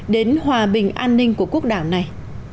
đến hòa bình an ninh của quốc đảng này